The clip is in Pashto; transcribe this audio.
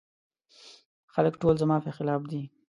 خلګ ټول زما په خلاف دي.